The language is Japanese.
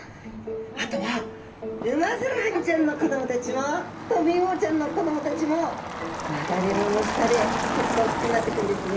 あとはウマヅラハギちゃんの子どもたちもトビウオちゃんの子どもたちも流れ藻の下ですくすくおっきくなってくんですね。